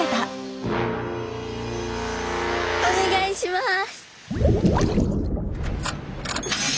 お願いします。